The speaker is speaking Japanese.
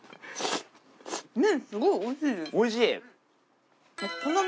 麺すごいおいしいです。